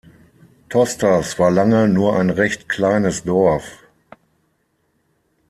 Tosters war lange nur ein recht kleines Dorf.